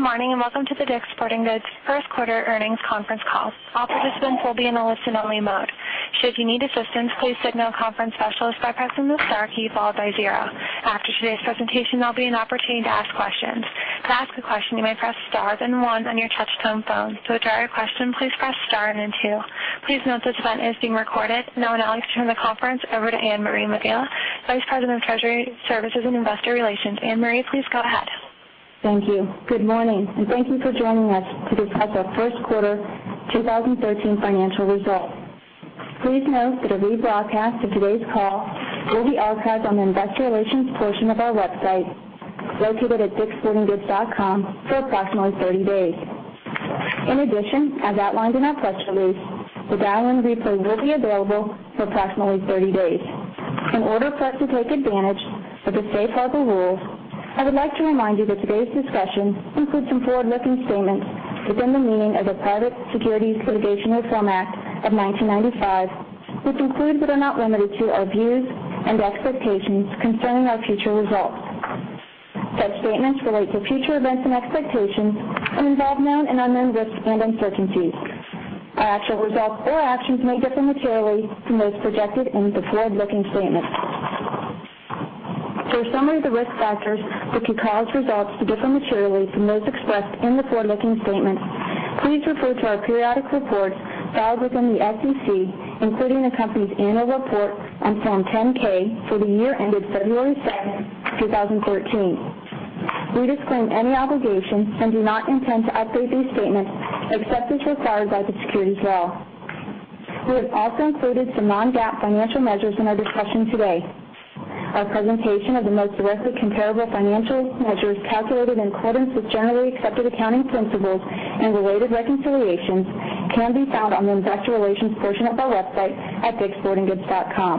Good morning, and welcome to the DICK'S Sporting Goods first quarter earnings conference call. All participants will be in a listen-only mode. Should you need assistance, please signal a conference specialist by pressing the star key, followed by zero. After today's presentation, there'll be an opportunity to ask questions. To ask a question, you may press star, then one on your touchtone phone. To withdraw your question, please press star, and then two. Please note this event is being recorded. I'd now like to turn the conference over to Anne-Marie Megela, Vice President of Treasury Services and Investor Relations. Anne-Marie, please go ahead. Thank you. Good morning, and thank you for joining us to discuss our first quarter 2013 financial results. Please note that a rebroadcast of today's call will be archived on the investor relations portion of our website, located at dickssportinggoods.com, for approximately 30 days. In addition, as outlined in our press release, the dial-in replay will be available for approximately 30 days. In order for us to take advantage of the safe harbor rules, I would like to remind you that today's discussion includes some forward-looking statements within the meaning of the Private Securities Litigation Reform Act of 1995, which include, but are not limited to, our views and expectations concerning our future results. Such statements relate to future events and expectations and involve known and unknown risks and uncertainties. Our actual results or actions may differ materially from those projected in the forward-looking statements. For a summary of the risk factors that could cause results to differ materially from those expressed in the forward-looking statements, please refer to our periodic reports filed with the SEC, including the company's annual report on Form 10-K for the year ended February 7th, 2013. We disclaim any obligation and do not intend to update these statements except as required by the securities law. We have also included some non-GAAP financial measures in our discussion today. Our presentation of the most directly comparable financial measures calculated in accordance with generally accepted accounting principles and related reconciliations can be found on the investor relations portion of our website at dickssportinggoods.com.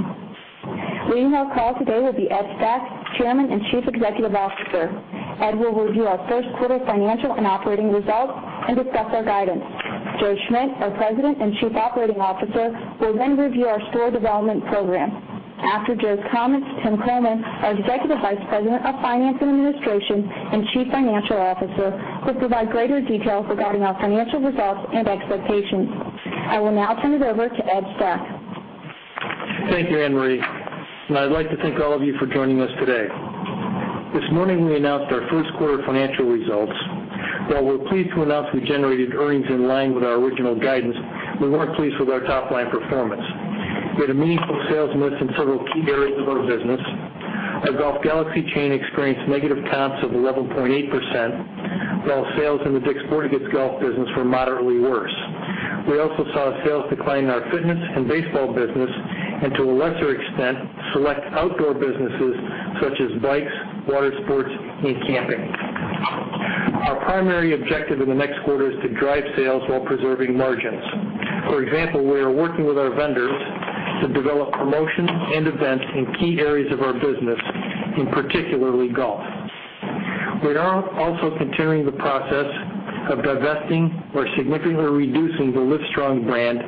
Leading our call today will be Ed Stack, Chairman and Chief Executive Officer. Ed will review our first quarter financial and operating results and discuss our guidance. Joe Schmidt, our President and Chief Operating Officer, will then review our store development program. After Joe's comments, Tim Kullman, our Executive Vice President of Finance and Administration and Chief Financial Officer, will provide greater details regarding our financial results and expectations. I will now turn it over to Ed Stack. Thank you, Anne-Marie, and I'd like to thank all of you for joining us today. This morning, we announced our first quarter financial results. While we're pleased to announce we generated earnings in line with our original guidance, we weren't pleased with our top-line performance. We had a meaningful sales miss in several key areas of our business. Our Golf Galaxy chain experienced negative comps of 11.8%, while sales in the DICK'S Sporting Goods golf business were moderately worse. We also saw a sales decline in our fitness and baseball business, and to a lesser extent, select outdoor businesses such as bikes, water sports, and camping. Our primary objective in the next quarter is to drive sales while preserving margins. For example, we are working with our vendors to develop promotions and events in key areas of our business, in particularly golf. We are also continuing the process of divesting or significantly reducing the Livestrong brand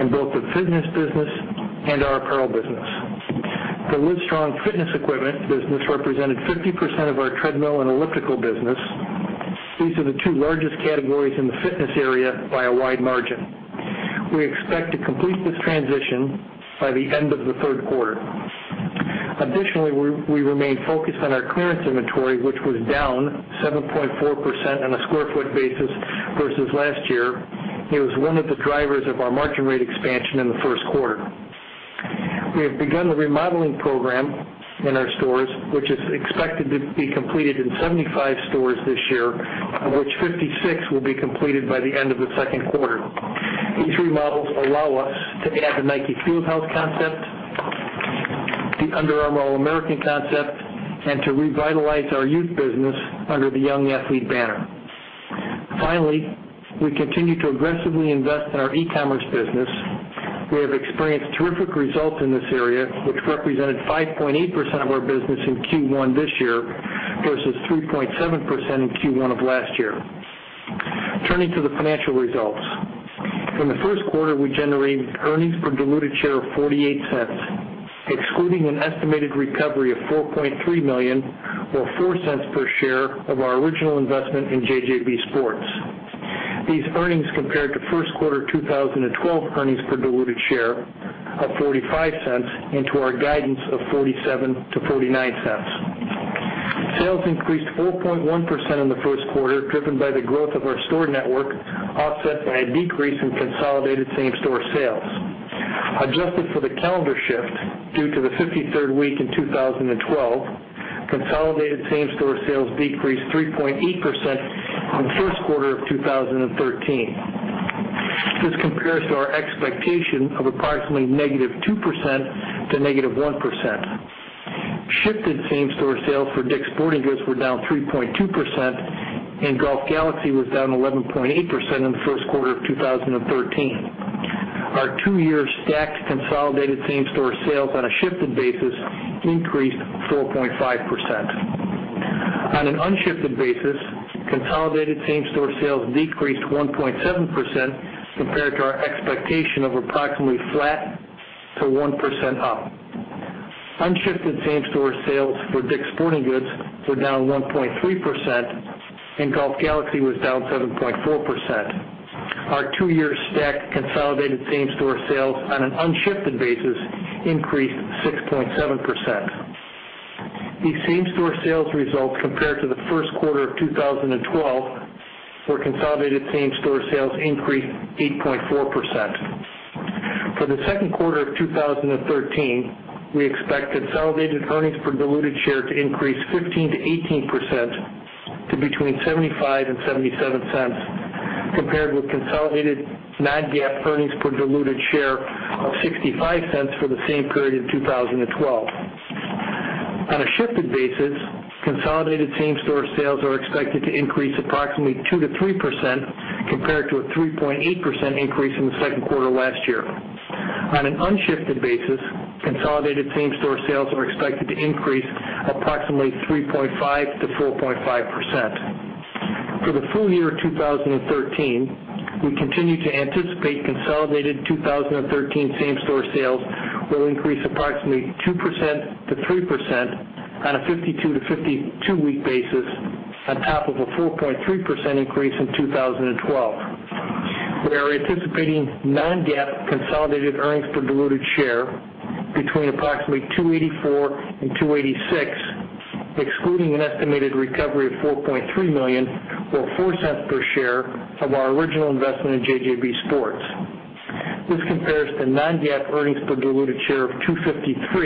in both the fitness business and our apparel business. The Livestrong fitness equipment business represented 50% of our treadmill and elliptical business. These are the two largest categories in the fitness area by a wide margin. We expect to complete this transition by the end of the third quarter. Additionally, we remain focused on our clearance inventory, which was down 7.4% on a sq ft basis versus last year. It was one of the drivers of our margin rate expansion in the first quarter. We have begun a remodeling program in our stores, which is expected to be completed in 75 stores this year, of which 56 will be completed by the end of the second quarter. These remodels allow us to add the Nike Fieldhouse concept, the Under Armour All-American concept, and to revitalize our youth business under the Young Athlete banner. Finally, we continue to aggressively invest in our e-commerce business. We have experienced terrific results in this area, which represented 5.8% of our business in Q1 this year versus 3.7% in Q1 of last year. Turning to the financial results. In the first quarter, we generated earnings per diluted share of $0.48, excluding an estimated recovery of $4.3 million, or $0.04 per share, of our original investment in JJB Sports. These earnings compare to first quarter 2012 earnings per diluted share of $0.45 and to our guidance of $0.47-$0.49. Sales increased 4.1% in the first quarter, driven by the growth of our store network, offset by a decrease in consolidated same-store sales. Adjusted for the calendar shift due to the 53rd week in 2012, consolidated same-store sales decreased 3.8% in the first quarter of 2013. This compares to our expectation of approximately -2% to -1%. Shifting same-store sales for DICK'S Sporting Goods were down 3.2%, and Golf Galaxy was down 11.8% in the first quarter of 2013. Our two-year stacked consolidated same-store sales on a shifted basis increased 4.5%. On an unshifted basis, consolidated same-store sales decreased 1.7% compared to our expectation of approximately flat to 1% up. Unshifted same-store sales for DICK'S Sporting Goods were down 1.3%, and Golf Galaxy was down 7.4%. Our two-year stacked consolidated same-store sales on an unshifted basis increased 6.7%. These same-store sales results compared to the first quarter of 2012, where consolidated same-store sales increased 8.4%. For the second quarter of 2013, we expect consolidated earnings per diluted share to increase 15%-18%, to between $0.75 and $0.77, compared with consolidated non-GAAP earnings per diluted share of $0.65 for the same period in 2012. On a shifted basis, consolidated same-store sales are expected to increase approximately 2%-3%, compared to a 3.8% increase in the second quarter last year. On an unshifted basis, consolidated same-store sales are expected to increase approximately 3.5%-4.5%. For the full year of 2013, we continue to anticipate consolidated 2013 same-store sales will increase approximately 2%-3% on a 52-week basis, on top of a 4.3% increase in 2012. We are anticipating non-GAAP consolidated earnings per diluted share between approximately $2.84 and $2.86, excluding an estimated recovery of $4.3 million or $0.04 per share of our original investment in JJB Sports. This compares to non-GAAP earnings per diluted share of $2.53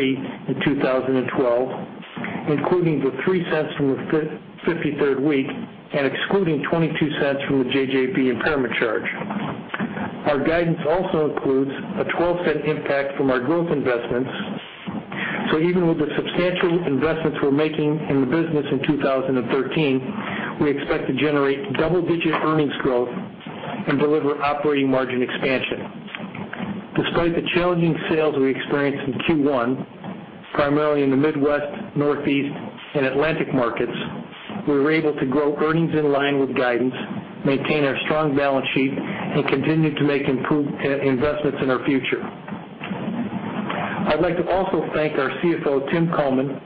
in 2012, including the $0.03 from the 53rd week and excluding $0.22 from the JJB impairment charge. Our guidance also includes a $0.12 impact from our growth investments. Even with the substantial investments we're making in the business in 2013, we expect to generate double-digit earnings growth and deliver operating margin expansion. Despite the challenging sales we experienced in Q1, primarily in the Midwest, Northeast, and Atlantic markets, we were able to grow earnings in line with guidance, maintain our strong balance sheet, and continue to make investments in our future. I'd like to also thank our CFO, Tim Kullman,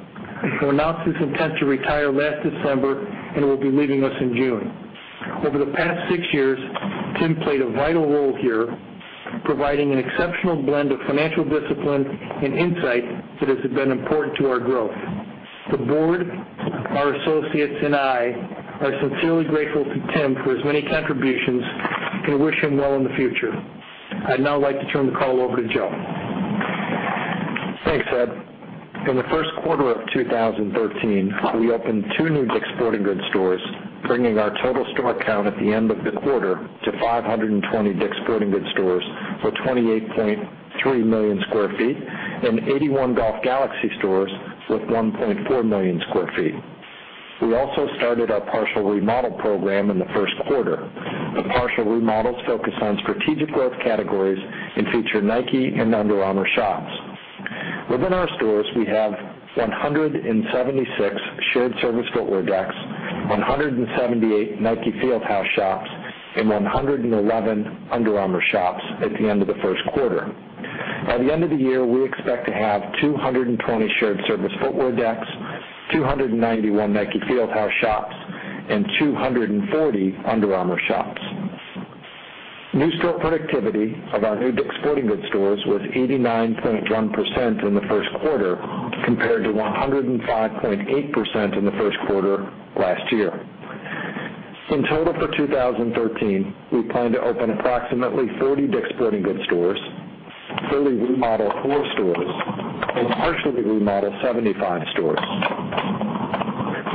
who announced his intent to retire last December and will be leaving us in June. Over the past six years, Tim played a vital role here, providing an exceptional blend of financial discipline and insight that has been important to our growth. The board, our associates, and I are sincerely grateful to Tim for his many contributions and wish him well in the future. I'd now like to turn the call over to Joe. Thanks, Ed. In the first quarter of 2013, we opened two new DICK'S Sporting Goods stores, bringing our total store count at the end of the quarter to 520 DICK'S Sporting Goods stores with 28.3 million sq ft and 81 Golf Galaxy stores with 1.4 million sq ft. We also started our partial remodel program in the first quarter. The partial remodels focus on strategic growth categories and feature Nike and Under Armour shops. Within our stores, we have 176 shared service footwear decks, 178 Nike Fieldhouse shops, and 111 Under Armour shops at the end of the first quarter. By the end of the year, we expect to have 220 shared service footwear decks, 291 Nike Fieldhouse shops, and 240 Under Armour shops. New store productivity of our new DICK'S Sporting Goods stores was 89.1% in the first quarter, compared to 105.8% in the first quarter last year. In total, for 2013, we plan to open approximately 40 DICK'S Sporting Goods stores, fully remodel four stores, and partially remodel 75 stores.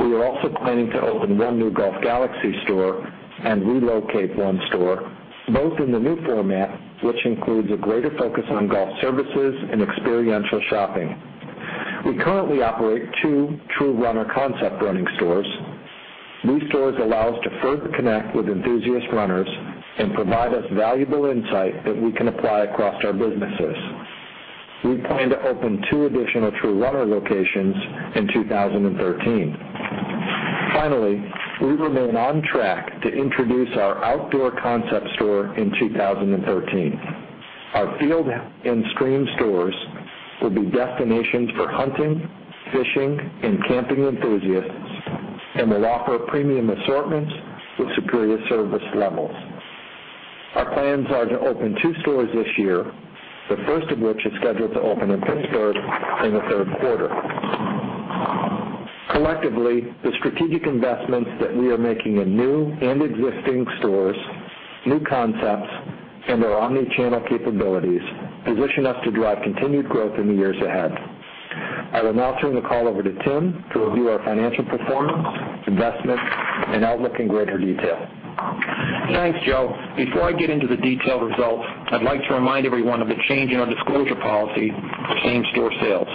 We are also planning to open one new Golf Galaxy store and relocate one store, both in the new format, which includes a greater focus on golf services and experiential shopping. We currently operate two True Runner concept running stores. These stores allow us to further connect with enthusiast runners and provide us valuable insight that we can apply across our businesses. We plan to open two additional True Runner locations in 2013. Finally, we remain on track to introduce our outdoor concept store in 2013. Our Field & Stream stores will be destinations for hunting, fishing, and camping enthusiasts and will offer premium assortments with superior service levels. Our plans are to open two stores this year, the first of which is scheduled to open in Pittsburgh in the third quarter. Collectively, the strategic investments that we are making in new and existing stores, new concepts, and our omnichannel capabilities position us to drive continued growth in the years ahead. I will now turn the call over to Tim to review our financial performance, investments, and outlook in greater detail. Thanks, Joe. Before I get into the detailed results, I'd like to remind everyone of a change in our disclosure policy for same-store sales.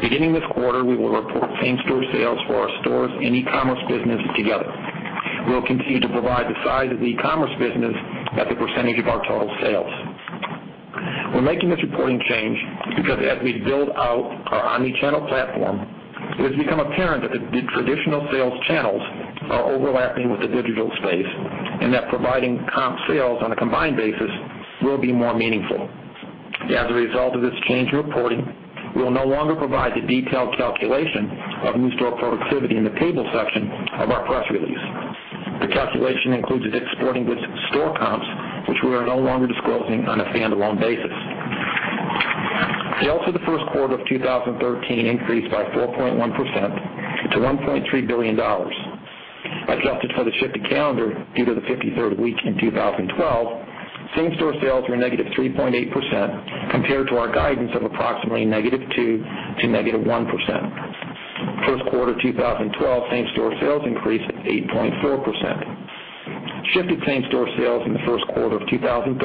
Beginning this quarter, we will report same-store sales for our stores and e-commerce business together. We will continue to provide the size of the e-commerce business as a percentage of our total sales. We're making this reporting change because as we build out our omnichannel platform It has become apparent that the traditional sales channels are overlapping with the digital space, and that providing comp sales on a combined basis will be more meaningful. As a result of this change in reporting, we will no longer provide the detailed calculation of new store productivity in the table section of our press release. The calculation includes DICK'S Sporting Goods store comps, which we are no longer disclosing on a standalone basis. Sales for the first quarter of 2013 increased by 4.1% to $1.3 billion. Adjusted for the shifted calendar due to the 53rd week in 2012, same-store sales were negative 3.8%, compared to our guidance of approximately negative 2% to negative 1%. First quarter 2012 same-store sales increased 8.4%. Shifting same-store sales in the first quarter of 2013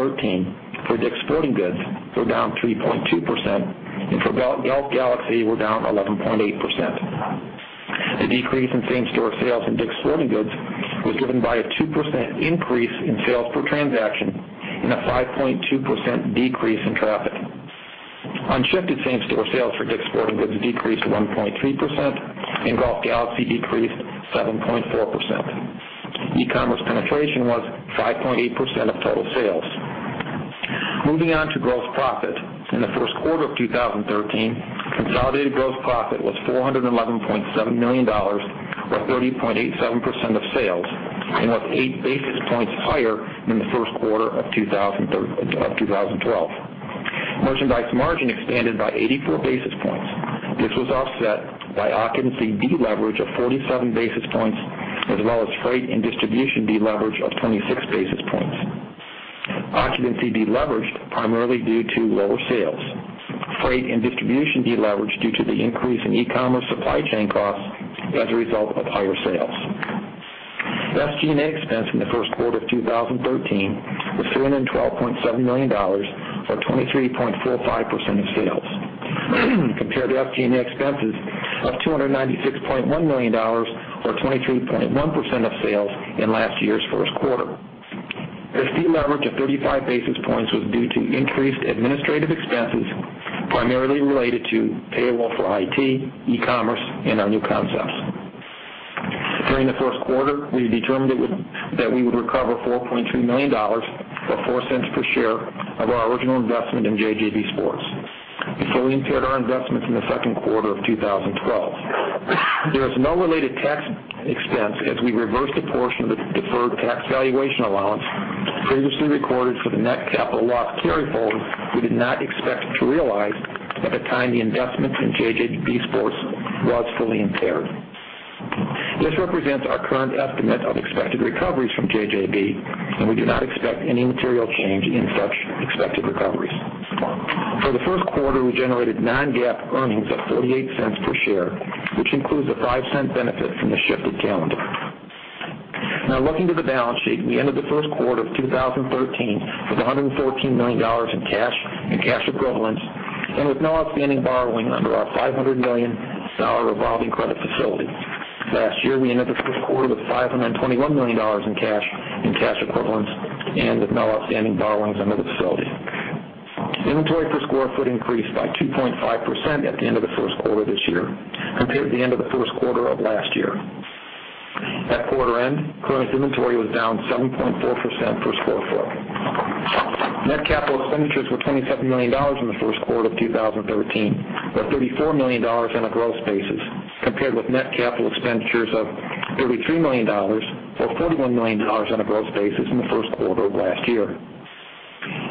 for DICK'S Sporting Goods were down 3.2%, and for Golf Galaxy were down 11.8%. The decrease in same-store sales in DICK'S Sporting Goods was driven by a 2% increase in sales per transaction and a 5.2% decrease in traffic. Unshifted same-store sales for DICK'S Sporting Goods decreased 1.3%, and Golf Galaxy decreased 7.4%. E-commerce penetration was 5.8% of total sales. Moving on to gross profit. In the first quarter of 2013, consolidated gross profit was $411.7 million, or 30.87% of sales, and was eight basis points higher than the first quarter of 2012. Merchandise margin expanded by 84 basis points. This was offset by occupancy deleverage of 47 basis points, as well as freight and distribution deleverage of 26 basis points. Occupancy deleveraged primarily due to lower sales. Freight and distribution deleveraged due to the increase in e-commerce supply chain costs as a result of higher sales. SG&A expense in the first quarter of 2013 was $312.7 million or 23.45% of sales, compared to SG&A expenses of $296.1 million or 23.1% of sales in last year's first quarter. SG&A leverage of 35 basis points was due to increased administrative expenses, primarily related to payroll for IT, e-commerce, and our new concepts. During the first quarter, we determined that we would recover $4.3 million, or $0.04 per share of our original investment in JJB Sports, fully impaired our investments in the second quarter of 2012. There is no related tax expense as we reverse the portion of the deferred tax valuation allowance previously recorded for the net capital loss carryforward we did not expect to realize at the time the investment in JJB Sports was fully impaired. This represents our current estimate of expected recoveries from JJB, and we do not expect any material change in such expected recoveries. For the first quarter, we generated non-GAAP earnings of $0.48 per share, which includes a $0.05 benefit from the shifted calendar. Looking to the balance sheet, we ended the first quarter of 2013 with $114 million in cash and cash equivalents, and with no outstanding borrowing under our $500 million revolving credit facility. Last year, we ended the first quarter with $521 million in cash and cash equivalents, and with no outstanding borrowings under the facility. Inventory per square foot increased by 2.5% at the end of the first quarter this year, compared to the end of the first quarter of last year. At quarter end, current inventory was down 7.4% per square foot. Net capital expenditures were $27 million in the first quarter of 2013, or $34 million on a gross basis, compared with net capital expenditures of $33 million or $41 million on a gross basis in the first quarter of last year.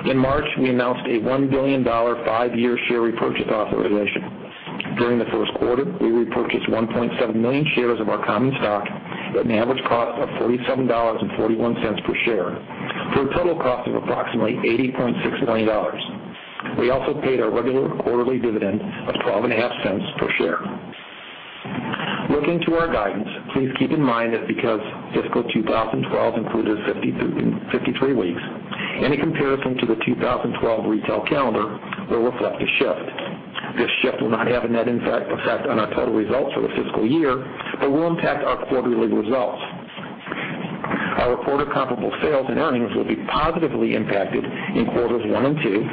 In March, we announced a $1 billion five-year share repurchase authorization. During the first quarter, we repurchased 1.7 million shares of our common stock at an average cost of $47.41 per share for a total cost of approximately $80.6 million. We also paid our regular quarterly dividend of $0.125 per share. Looking to our guidance, please keep in mind that because fiscal 2012 included 53 weeks, any comparison to the 2012 retail calendar will reflect a shift. This shift will not have a net effect on our total results for the fiscal year but will impact our quarterly results. Our reported comparable sales and earnings will be positively impacted in quarters one and two,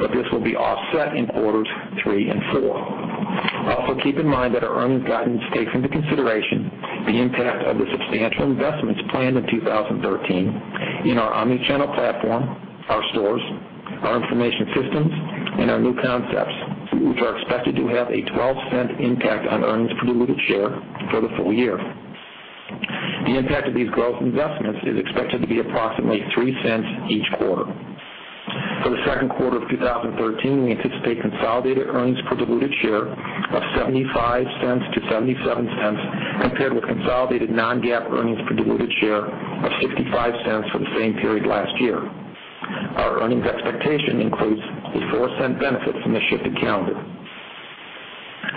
but this will be offset in quarters three and four. Keep in mind that our earnings guidance takes into consideration the impact of the substantial investments planned in 2013 in our omnichannel platform, our stores, our information systems, and our new concepts, which are expected to have a $0.12 impact on earnings per diluted share for the full year. The impact of these growth investments is expected to be approximately $0.03 each quarter. For the second quarter of 2013, we anticipate consolidated earnings per diluted share of $0.75-$0.77, compared with consolidated non-GAAP earnings per diluted share of $0.65 for the same period last year. Our earnings expectation includes a $0.04 benefit from the shifted calendar.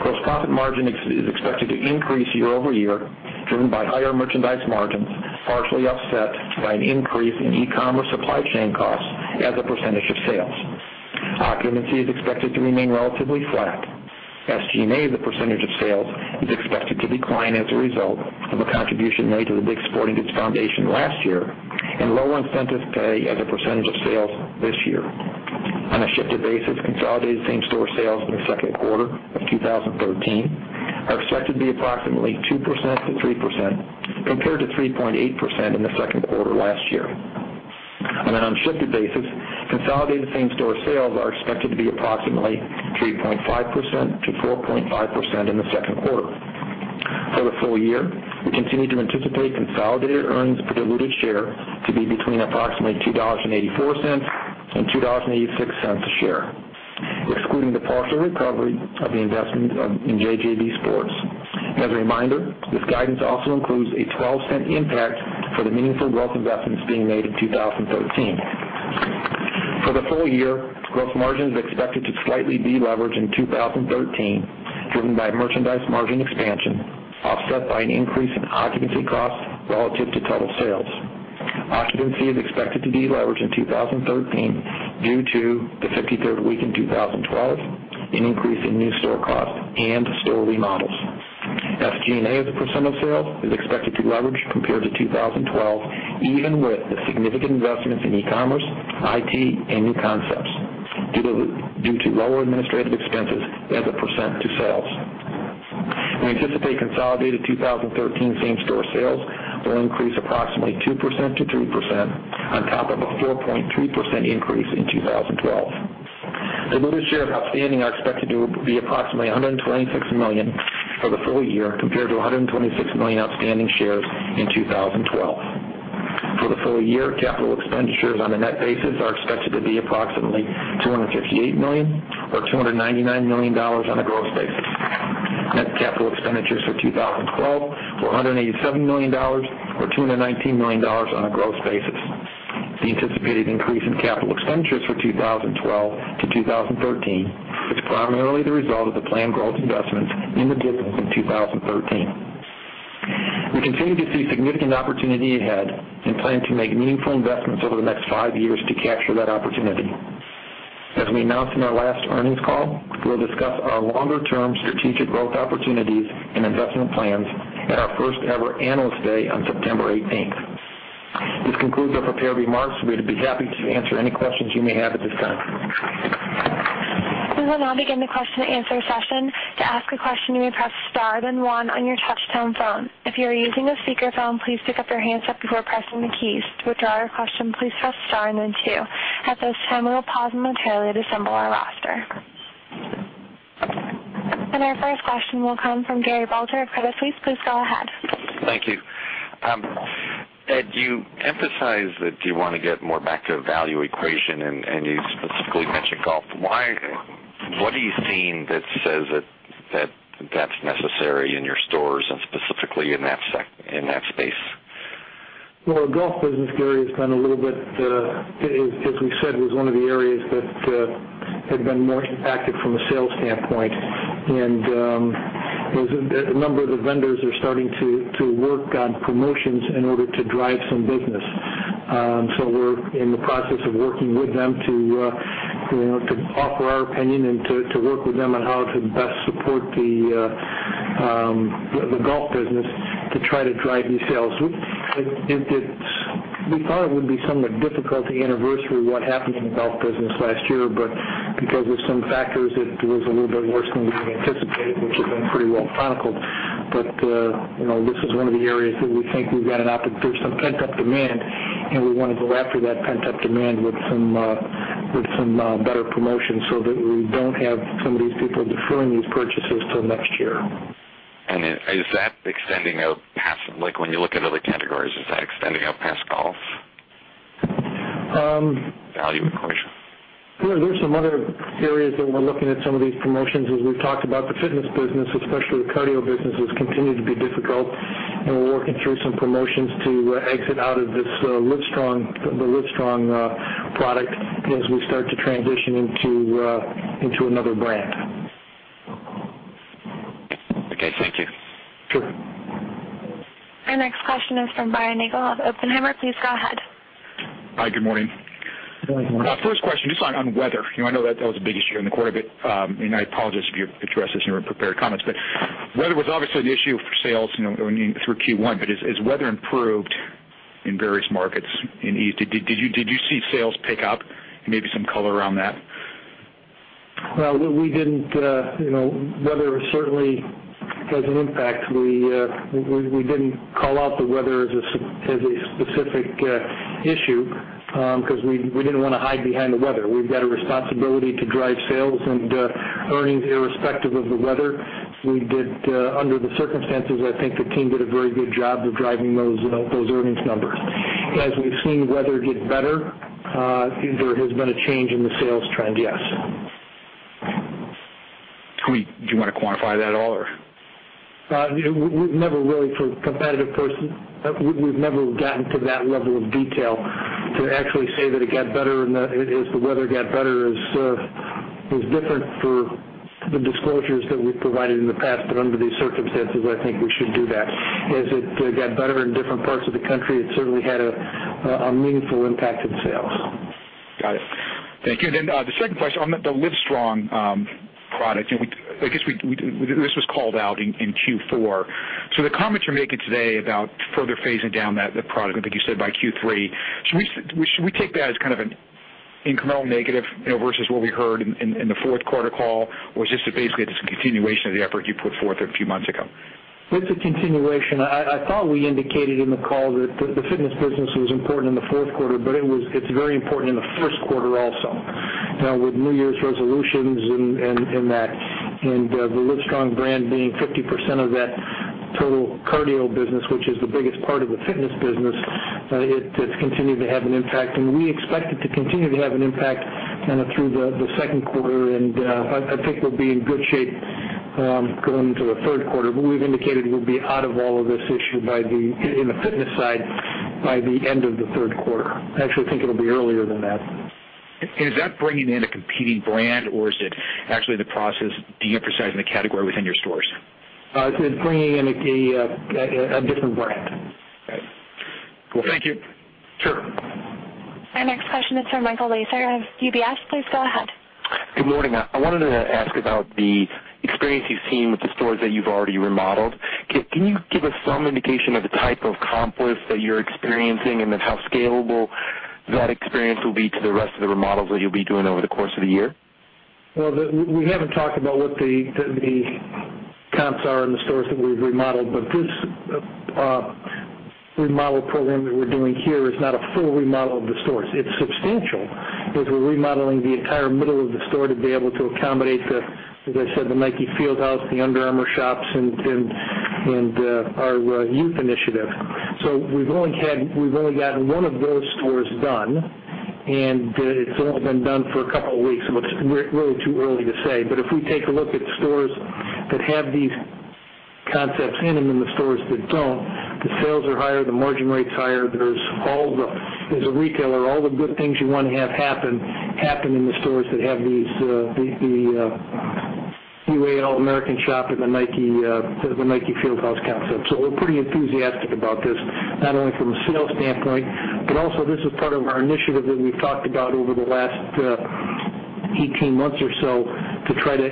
Gross profit margin is expected to increase year-over-year, driven by higher merchandise margins, partially offset by an increase in e-commerce supply chain costs as a percentage of sales. Occupancy is expected to remain relatively flat. SG&A as a percentage of sales is expected to decline as a result of a contribution made to The DICK'S Sporting Goods Foundation last year and lower incentive pay as a percentage of sales this year. On a shifted basis, consolidated same-store sales in the second quarter of 2013 are expected to be approximately 2%-3%, compared to 3.8% in the second quarter last year. On an unshifted basis, consolidated same-store sales are expected to be approximately 3.5%-4.5% in the second quarter. For the full year, we continue to anticipate consolidated earnings per diluted share to be between approximately $2.84 and $2.86 a share, excluding the partial recovery of the investments in JJB Sports. As a reminder, this guidance also includes a $0.12 impact for the meaningful growth investments being made in 2013. For the full year, gross margin is expected to slightly deleverage in 2013, driven by merchandise margin expansion, offset by an increase in occupancy costs relative to total sales. Occupancy is expected to deleverage in 2013 due to the 53rd week in 2012, an increase in new store costs, and store remodels. SG&A as a % of sales is expected to leverage compared to 2012, even with the significant investments in e-commerce, IT, and new concepts, due to lower administrative expenses as a % to sales. We anticipate consolidated 2013 same-store sales will increase approximately 2%-3% on top of a 4.3% increase in 2012. Diluted shares outstanding are expected to be approximately 126 million for the full year, compared to 126 million outstanding shares in 2012. For the full year, capital expenditures on a net basis are expected to be approximately $258 million, or $299 million on a gross basis. Net capital expenditures for 2012 were $187 million, or $219 million on a gross basis. The anticipated increase in capital expenditures for 2012 to 2013 is primarily the result of the planned growth investments in 2013. We continue to see significant opportunity ahead and plan to make meaningful investments over the next five years to capture that opportunity. As we announced in our last earnings call, we'll discuss our longer-term strategic growth opportunities and investment plans at our first-ever Analyst Day on September 18th. This concludes our prepared remarks. We'd be happy to answer any questions you may have at this time. We will now begin the question and answer session. To ask a question, you may press star then one on your touchtone phone. If you are using a speakerphone, please pick up your handset before pressing the keys. To withdraw your question, please press star and then two. At this time, we will pause momentarily to assemble our roster. Our first question will come from Gary Balter of Credit Suisse. Please go ahead. Thank you. Ed, you emphasized that you want to get more back to a value equation. You specifically mentioned golf. What are you seeing that says that that's necessary in your stores and specifically in that space? Well, the golf business, Gary, as we said, was one of the areas that had been most impacted from a sales standpoint. A number of the vendors are starting to work on promotions in order to drive some business. We're in the process of working with them to offer our opinion and to work with them on how to best support the golf business to try to drive new sales. We thought it would be somewhat difficult to anniversary what happened in the golf business last year. Because of some factors, it was a little bit worse than we had anticipated, which has been pretty well chronicled. This is one of the areas that we think there's some pent-up demand, and we want to go after that pent-up demand with some better promotions so that we don't have some of these people deferring these purchases till next year. When you look at other categories, is that extending out past golf? Value equation. There's some other areas that we're looking at some of these promotions. As we've talked about the fitness business, especially the cardio business, has continued to be difficult, and we're working through some promotions to exit out of the Livestrong product as we start to transition into another brand. Okay, thank you. Sure. Our next question is from Brian Nagel of Oppenheimer. Please go ahead. Hi, good morning. Good morning. First question, just on weather. I know that was a big issue in the quarter, and I apologize if you addressed this in your prepared comments, but weather was obviously an issue for sales through Q1. Has weather improved in various markets? Did you see sales pick up, and maybe some color around that? Well, weather certainly has an impact. We didn't call out the weather as a specific issue because we didn't want to hide behind the weather. We've got a responsibility to drive sales and earnings irrespective of the weather. Under the circumstances, I think the team did a very good job of driving those earnings numbers. As we've seen weather get better, has there been a change in the sales trend? Yes. Do you want to quantify that at all? We've never really, for competitive purposes, gotten to that level of detail to actually say that as the weather got better is different for the disclosures that we've provided in the past, but under these circumstances, I think we should do that. As it got better in different parts of the country, it certainly had a meaningful impact on sales. Got it. Thank you. The second question on the Livestrong product. I guess this was called out in Q4. The comments you're making today about further phasing down that product, I think you said by Q3, should we take that as kind of an incremental negative, versus what we heard in the fourth quarter call? Or is this basically just a continuation of the effort you put forth a few months ago? It's a continuation. I thought we indicated in the call that the fitness business was important in the fourth quarter, but it's very important in the first quarter also. With New Year's resolutions and that, and the Livestrong brand being 50% of that total cardio business, which is the biggest part of the fitness business, it's continued to have an impact. We expect it to continue to have an impact kind of through the second quarter, and I think we'll be in good shape going into the third quarter. We've indicated we'll be out of all of this issue in the fitness side by the end of the third quarter. I actually think it'll be earlier than that. Is that bringing in a competing brand, or is it actually the process de-emphasizing the category within your stores? It's bringing in a different brand. Okay. Cool. Thank you. Sure. Our next question is from Michael Lasser of UBS. Please go ahead. Good morning. I wanted to ask about the experience you've seen with the stores that you've already remodeled. Can you give us some indication of the type of confluence that you're experiencing, and then how scalable that experience will be to the rest of the remodels that you'll be doing over the course of the year? We haven't talked about what the comps are in the stores that we've remodeled. This remodel program that we're doing here is not a full remodel of the stores. It's substantial, because we're remodeling the entire middle of the store to be able to accommodate the, as I said, the Nike Fieldhouse, the Under Armour shops, and our youth initiative. We've only gotten one of those stores done, and it's only been done for a couple of weeks. It's really too early to say. If we take a look at stores that have these concepts in them and the stores that don't, the sales are higher, the margin rate's higher. As a retailer, all the good things you want to have happen in the stores that have the UA All-American shop and the Nike Fieldhouse concept. We're pretty enthusiastic about this, not only from a sales standpoint, but also this is part of our initiative that we've talked about over the last 18 months or so to try to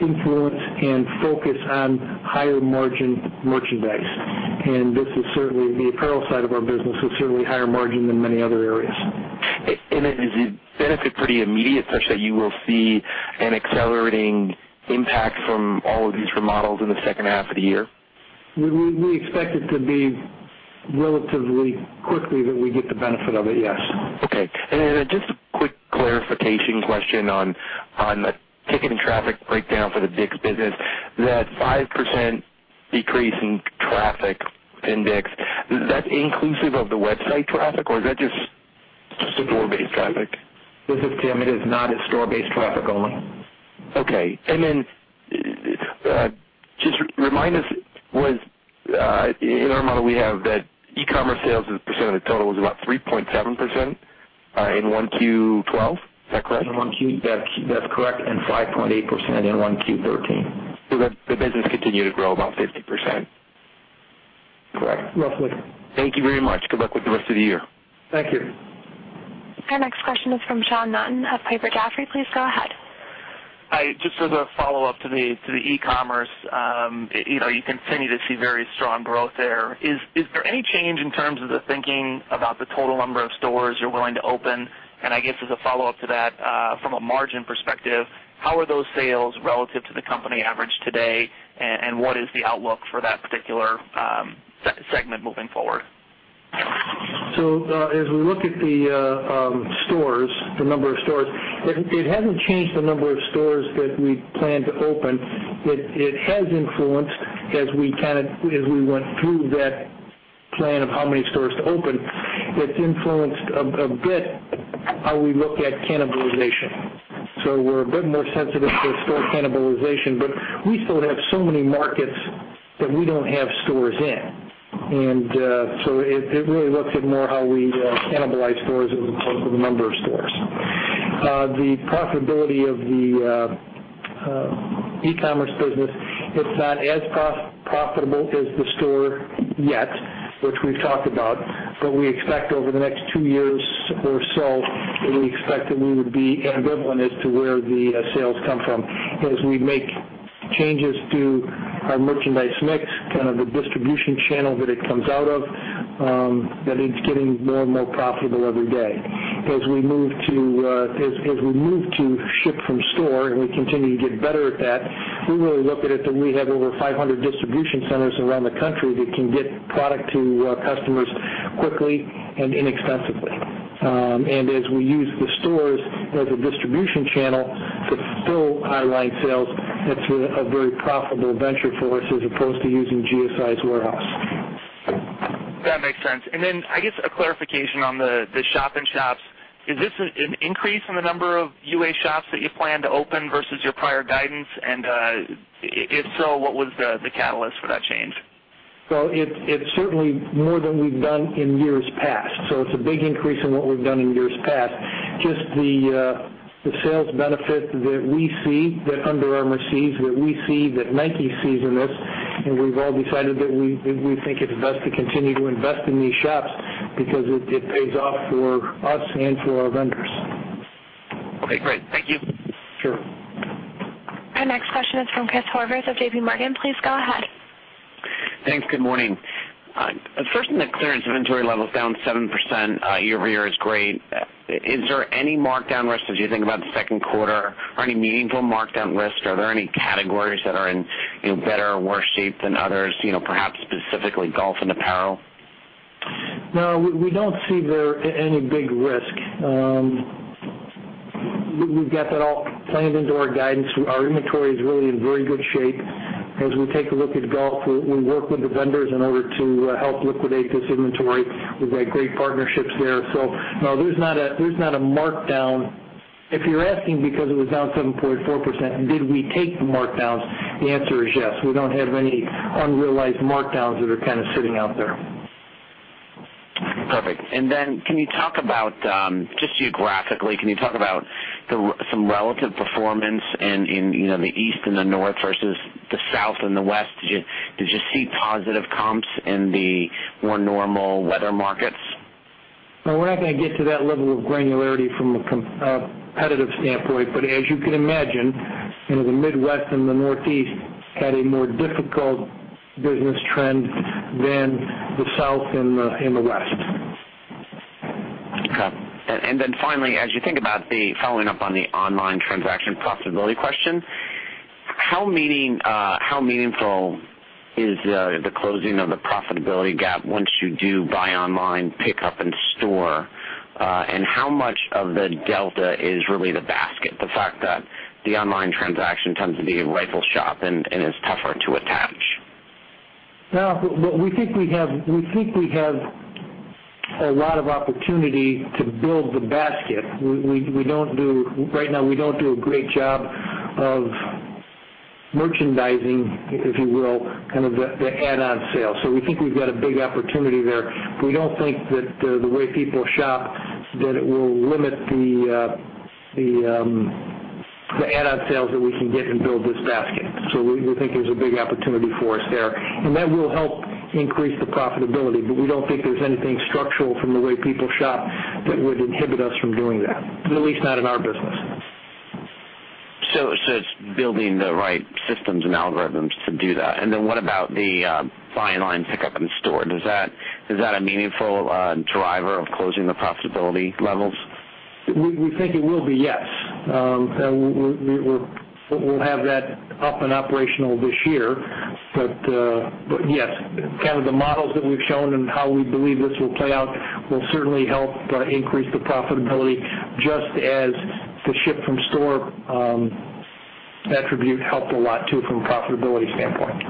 influence and focus on higher margin merchandise. The apparel side of our business is certainly higher margin than many other areas. Is the benefit pretty immediate, such that you will see an accelerating impact from all of these remodels in the second half of the year? We expect it to be relatively quickly that we get the benefit of it, yes. Okay. Just a quick clarification question on the ticket and traffic breakdown for the DICK'S business. That 5% decrease in traffic index, is that inclusive of the website traffic, or is that just store-based traffic? This is Tim. It is not. It's store-based traffic only. Okay. Then just remind us, in our model, we have that e-commerce sales as a % of the total was about 3.7% in 1Q12. Is that correct? In 1Q, that's correct, 5.8% in 1Q13. The business continued to grow about 50%. Correct. Roughly. Thank you very much. Good luck with the rest of the year. Thank you. Our next question is from Sean Naughton of Piper Jaffray. Please go ahead. Hi. Just as a follow-up to the e-commerce, you continue to see very strong growth there. Is there any change in terms of the thinking about the total number of stores you're willing to open? I guess as a follow-up to that, from a margin perspective, how are those sales relative to the company average today, and what is the outlook for that particular segment moving forward? As we look at the number of stores, it hasn't changed the number of stores that we plan to open. It has influenced as we went through that plan of how many stores to open. It's influenced a bit how we look at cannibalization. We're a bit more sensitive to store cannibalization, but we still have so many markets that we don't have stores in. It really looks at more how we cannibalize stores as opposed to the number of stores. The profitability of the e-commerce business, it's not as profitable as the store yet, which we've talked about, but we expect over the next two years or so, that we expect that we would be ambivalent as to where the sales come from. As we make changes to our merchandise mix, kind of the distribution channel that it comes out of, that it's getting more and more profitable every day. As we move to ship from store and we continue to get better at that, we really look at it that we have over 500 distribution centers around the country that can get product to customers quickly and inexpensively. As we use the stores as a distribution channel to still highlight sales, it's a very profitable venture for us as opposed to using GSI's warehouse. That makes sense. I guess a clarification on the shop in shops. Is this an increase in the number of UA shops that you plan to open versus your prior guidance? If so, what was the catalyst for that change? It's certainly more than we've done in years past. It's a big increase from what we've done in years past. Just the sales benefit that we see, that Under Armour sees, that we see, that Nike sees in this, we've all decided that we think it's best to continue to invest in these shops. It pays off for us and for our vendors. Okay, great. Thank you. Sure. Our next question is from Chris Horvers of JPMorgan. Please go ahead. Thanks. Good morning. First on the clearance inventory levels, down 7% year-over-year is great. Is there any markdown risk as you think about the second quarter or any meaningful markdown risk? Are there any categories that are in better or worse shape than others, perhaps specifically golf and apparel? We don't see any big risk. We've got that all planned into our guidance. Our inventory is really in very good shape. As we take a look at golf, we work with the vendors in order to help liquidate this inventory. We've got great partnerships there. There's not a markdown. If you're asking because it was down 7.4%, did we take the markdowns? The answer is yes. We don't have any unrealized markdowns that are sitting out there. Perfect. Just geographically, can you talk about some relative performance in the East and the North versus the South and the West? Did you see positive comps in the more normal weather markets? We're not going to get to that level of granularity from a competitive standpoint. As you can imagine, the Midwest and the Northeast had a more difficult business trend than the South and the West. Okay. Finally, as you think about the, following up on the online transaction profitability question, how meaningful is the closing of the profitability gap once you do buy online pickup in store? How much of the delta is really the basket, the fact that the online transaction tends to be a rifle shot and is tougher to attach? Well, we think we have a lot of opportunity to build the basket. Right now, we don't do a great job of merchandising, if you will, the add-on sale. We think we've got a big opportunity there. We don't think that the way people shop, that it will limit the add-on sales that we can get and build this basket. We think there's a big opportunity for us there, and that will help increase the profitability, but we don't think there's anything structural from the way people shop that would inhibit us from doing that, at least not in our business. It's building the right systems and algorithms to do that. What about the buy online pickup in store? Is that a meaningful driver of closing the profitability levels? We think it will be, yes. We'll have that up and operational this year. Yes, the models that we've shown and how we believe this will play out will certainly help increase the profitability, just as the ship from store attribute helped a lot, too, from a profitability standpoint.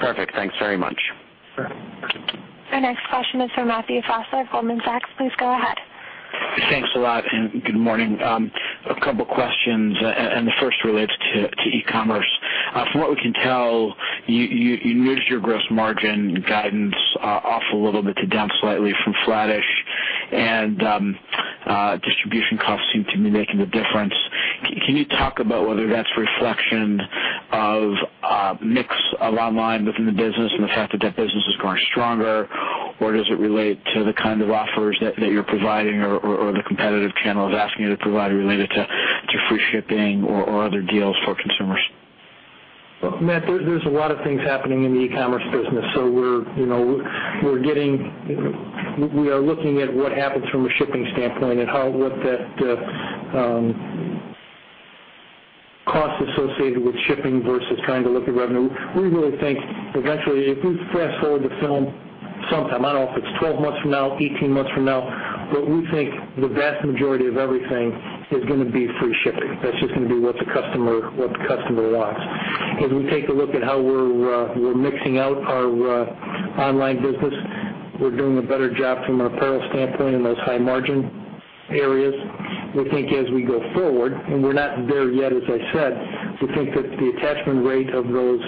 Perfect. Thanks very much. Sure. Our next question is from Matthew Fassler, Goldman Sachs. Please go ahead. Thanks a lot. Good morning. A couple questions. The first relates to e-commerce. From what we can tell, you moved your gross margin guidance off a little bit to down slightly from flattish, and distribution costs seem to be making the difference. Can you talk about whether that's a reflection of a mix of online within the business and the fact that that business is growing stronger? Or does it relate to the kind of offers that you're providing or the competitive channels asking you to provide related to free shipping or other deals for consumers? Matt, there's a lot of things happening in the e-commerce business. We are looking at what happens from a shipping standpoint and what that cost associated with shipping versus trying to look at revenue. We really think eventually, if we fast forward the film sometime, I don't know if it's 12 months from now, 18 months from now, we think the vast majority of everything is going to be free shipping. That's just going to be what the customer wants. As we take a look at how we're mixing out our online business, we're doing a better job from an apparel standpoint in those high margin areas. We think as we go forward, and we're not there yet, as I said, we think that the attachment rate of those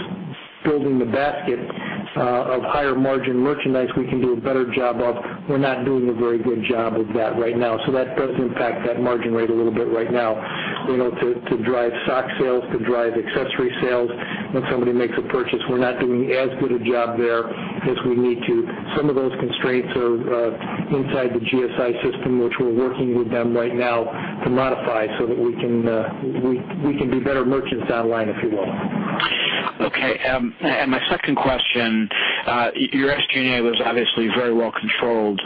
building the basket of higher margin merchandise, we can do a better job of. We're not doing a very good job of that right now. That does impact that margin rate a little bit right now, to drive sock sales, to drive accessory sales when somebody makes a purchase. We're not doing as good a job there as we need to. Some of those constraints are inside the GSI system, which we're working with them right now to modify so that we can be better merchants online, if you will. My second question, your SG&A was obviously very well controlled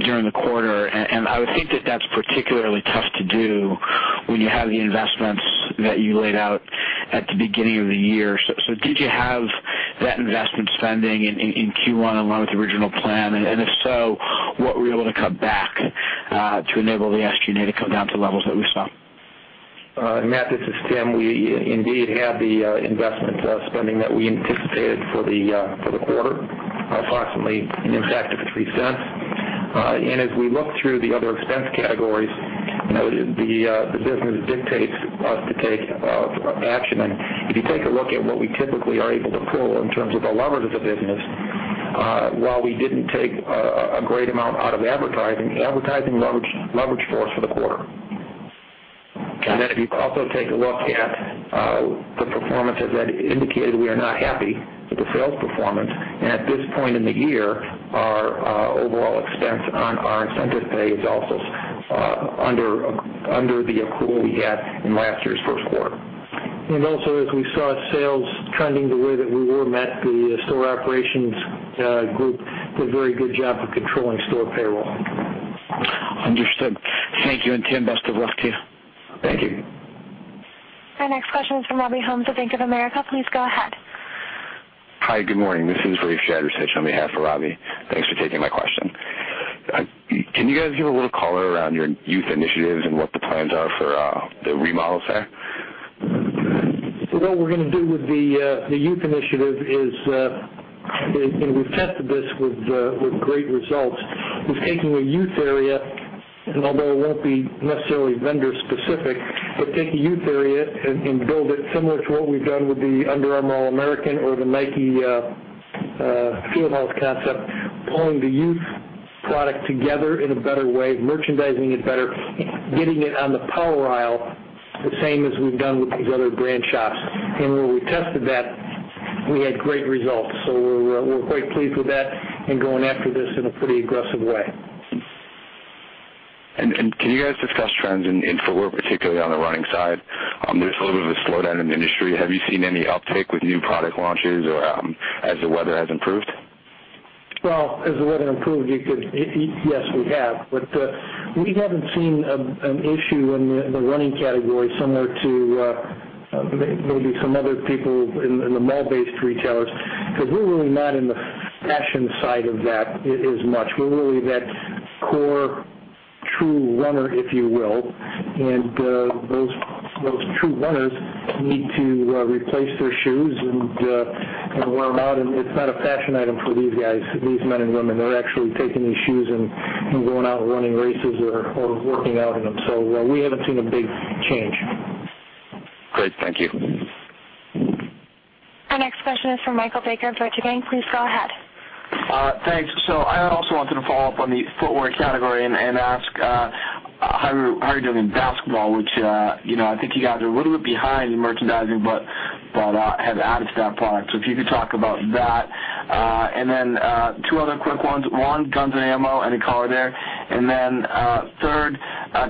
during the quarter, I would think that that's particularly tough to do when you have the investments that you laid out at the beginning of the year. Did you have that investment spending in Q1 along with the original plan? If so, what were you able to cut back to enable the SG&A to come down to levels that we saw? Matt, this is Tim. We indeed had the investment spending that we anticipated for the quarter, approximately an impact of $0.03. As we look through the other expense categories, the business dictates us to take action. If you take a look at what we typically are able to pull in terms of the levers of the business, while we didn't take a great amount out of advertising leveraged for us for the quarter. If you also take a look at the performance, as Ed indicated, we are not happy with the sales performance. At this point in the year, our overall expense on our incentive pay is also under the accrual we had in last year's first quarter. Also, as we saw sales trending the way that we were met, the store operations group did a very good job of controlling store payroll. Understood. Thank you. Tim, best of luck to you. Thank you. Our next question is from [Robert Ohmes] of Bank of America. Please go ahead. Hi, good morning. This is Rafe Jadrosich on behalf of Ravi. Thanks for taking my question. Can you guys give a little color around your youth initiatives and what the plans are for the remodels there? What we're going to do with the youth initiative is, and we've tested this with great results. We've taken a youth area, and although it won't be necessarily vendor specific, but take a youth area and build it similar to what we've done with the Under Armour All-American or the Nike Fieldhouse concept, pulling the youth product together in a better way, merchandising it better, getting it on the power aisle, the same as we've done with these other brand shops. When we tested that, we had great results. We're quite pleased with that and going after this in a pretty aggressive way. Can you guys discuss trends in footwear, particularly on the running side? There's a little bit of a slowdown in the industry. Have you seen any uptick with new product launches or as the weather has improved? Well, as the weather improved, yes, we have, but we haven't seen an issue in the running category similar to maybe some other people in the mall-based retailers, because we're really not in the fashion side of that as much. We're really that core true runner, if you will. Those true runners need to replace their shoes and wear them out. It's not a fashion item for these guys, these men and women. They're actually taking these shoes and going out and running races or working out in them. We haven't seen a big change. Great. Thank you. Our next question is from Michael Baker of Deutsche Bank. Please go ahead. Thanks. I also wanted to follow up on the footwear category and ask how are you doing in basketball, which I think you guys are a little bit behind in merchandising but have added to that product. If you could talk about that. Then two other quick ones. One, guns and ammo, any color there. Then third,